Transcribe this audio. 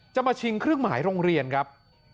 มาชิงเครื่องหมายโรงเรียนครับ